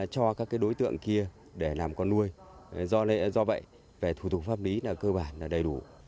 cho các đối tượng kia để làm con nuôi do vậy về thủ tục pháp lý là cơ bản là đầy đủ